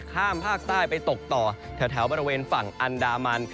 ข้ามภาคใต้ไปตกต่อแถวบริเวณฝั่งอันดามัน